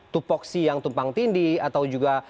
tupoksi yang tumpang tindi atau juga